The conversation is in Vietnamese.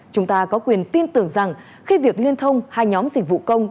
chúng ta có quyền tin tưởng rằng khi việc liên thông hai nhóm dịch vụ công